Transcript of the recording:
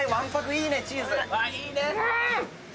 いいね。